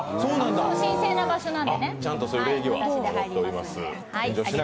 神聖な場所なんで。